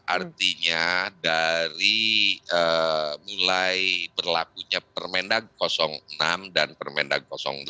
artinya dari mulai berlakunya permendak enam dan permendak delapan